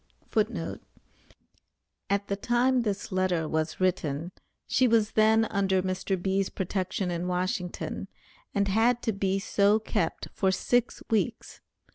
[Footnote A: At the time this letter was written, she was then under Mr. B.'s protection in Washington, and had to be so kept for six weeks.